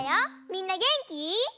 みんなげんき？